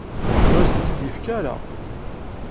Ur as-tent-id-yefki ara.